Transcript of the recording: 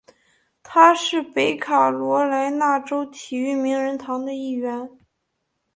他是北卡罗来纳州体育名人堂的一员。